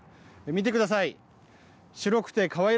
見てください。